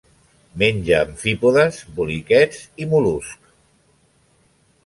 Menja amfípodes, poliquets i mol·luscs.